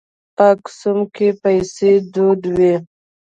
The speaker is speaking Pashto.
په اکسوم کې پیسې دود وې.